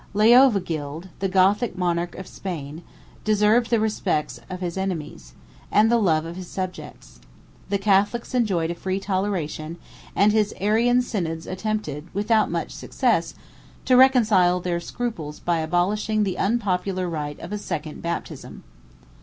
Leovigild, the Gothic monarch of Spain, deserved the respect of his enemies, and the love of his subjects; the Catholics enjoyed a free toleration, and his Arian synods attempted, without much success, to reconcile their scruples by abolishing the unpopular rite of a second baptism.